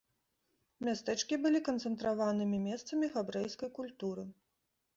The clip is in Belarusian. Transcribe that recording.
Мястэчкі былі канцэнтраванымі месцамі габрэйскай культуры.